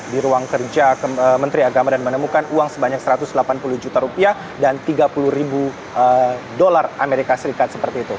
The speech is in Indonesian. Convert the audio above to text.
di ruang kerja menteri agama dan menemukan uang sebanyak satu ratus delapan puluh juta rupiah dan tiga puluh ribu dolar amerika serikat seperti itu